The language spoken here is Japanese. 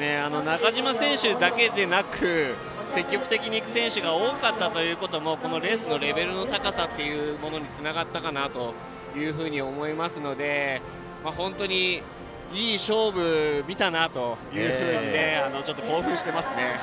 中島選手だけでなく積極的にいく選手が多かったということもこのレースのレベルの高さにつながったかなと思いますので本当にいい勝負を見たなとちょっと興奮してますね。